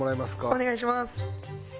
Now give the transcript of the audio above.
お願いします。